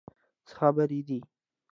څه خبرې دي؟